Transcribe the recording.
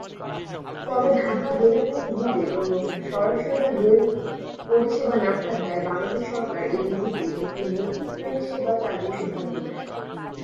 তবে ঢাকা-বেনাপোল রুটে কোন সরাসরি রেল পরিষেবা না থাকায় বাংলাদেশ সরকার এই রুটে একটি নতুন ট্রেন সেবা চালুর সিদ্ধান্ত নেয়।